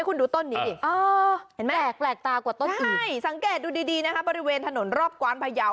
คุณดูต้นนี้ดิเห็นไหมสังเกตดูดีนะคะบริเวณถนนรอบกวานพะเยา